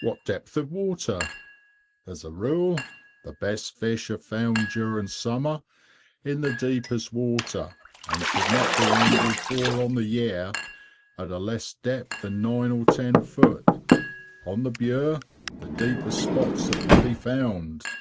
What depth of water_? As a rule, the best fish are found during summer in the deepest water, and should not be angled for on the Yare at a less depth than nine or ten feet. On the Bure the deepest spots that can be found.